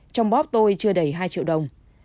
trong bóp tôi chưa đẩy hai triệu đồng